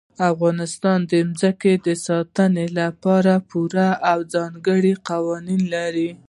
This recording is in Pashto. افغانستان د ځمکه د ساتنې لپاره پوره او ځانګړي قوانین لري.